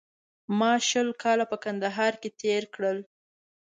ما شل کاله په کندهار کې تېر کړل